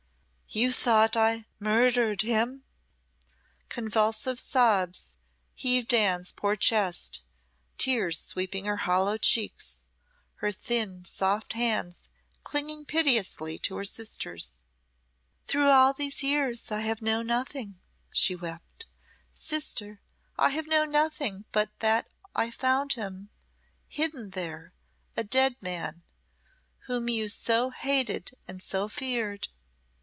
"You thought I murdered him?" Convulsive sobs heaved Anne's poor chest, tears sweeping her hollow cheeks, her thin, soft hands clinging piteously to her sister's. "Through all these years I have known nothing," she wept "sister, I have known nothing but that I found him hidden there, a dead man, whom you so hated and so feared."